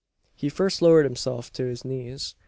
He first lowered himself to his knees.